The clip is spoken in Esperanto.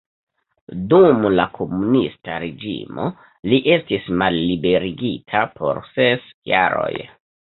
Dum la komunista reĝimo li estis malliberigita por ses jaroj.